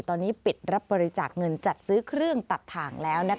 ตอนนี้ปิดรับบริจาคเงินจัดซื้อเครื่องตัดถ่างแล้ว